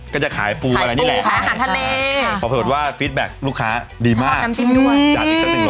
ก็จะขายปูอะไรนี่แหละขายปูขายอาหารทะเลค่ะขอเผยว่าฟีดแบ็คลูกค้าดีมากชอบน้ำจิ้มด้วย